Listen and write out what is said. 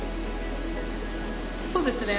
そうですね